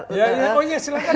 oh iya silahkan